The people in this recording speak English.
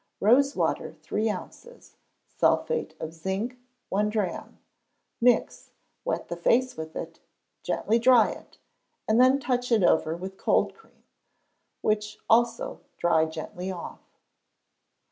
Rose water, three ounces: sulphate of zinc, one drachm. Mix; wet the face with it, gently dry it, and then touch it over with cold cream, which also dry gently off.